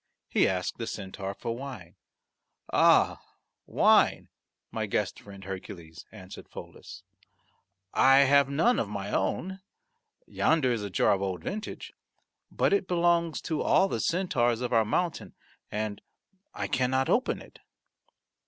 He asked the centaur for wine. "Ah, wine, my guest friend Hercules," answered Pholus, "I have none of my own. Yonder is a jar of old vintage, but it belongs to all the centaurs of our mountain and I cannot open it."